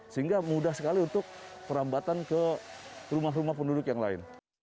sehingga mudah sekali untuk perambatan ke rumah rumah penduduk yang lain